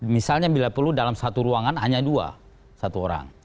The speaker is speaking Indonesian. misalnya bila perlu dalam satu ruangan hanya dua satu orang